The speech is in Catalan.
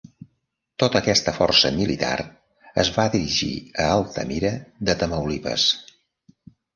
Tota aquesta força militar es va dirigir a Altamira de Tamaulipas.